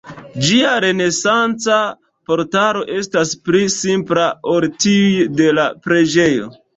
Ĝia renesanca portalo estas pli simpla ol tiuj de la preĝejo.